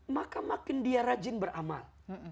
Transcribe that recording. maka makin dia rajin beramal